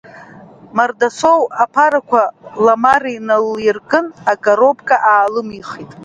Мардасоу аԥарақәа Ламара иналиркын, акоробка аалымихит.